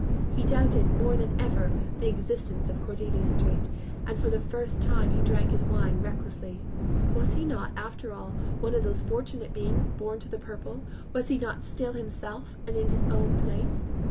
He doubted, more than ever, the existence of Cordelia Street, and for the first time he drank his wine recklessly. Was he not, after all, one of those fortunate beings born to the purple, was he not still himself and in his own place?